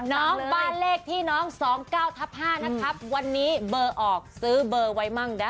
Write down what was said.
น้องบ้านเลขที่น้อง๒๙ทับ๕นะครับวันนี้เบอร์ออกซื้อเบอร์ไว้มั่งได้